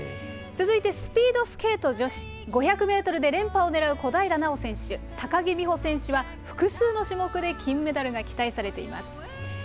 続いてスピードスケート女子、５００メートルで連覇を狙う小平奈緒選手、高木美帆選手は複数の種目で金メダルが期待されています。